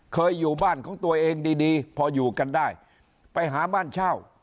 เคยอยู่บ้านของตัวเองดีดีพออยู่กันได้ไปหาบ้านเช่า